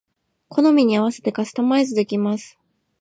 好みに合わせてカスタマイズできます